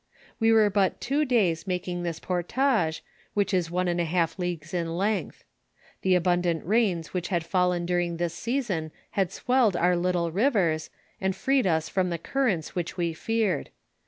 We were bui two days making this portage, which is one and a half leagues in length. The abundant rains which had fallen during this season had swelled our little rivers, and freed us from the currents which we feared.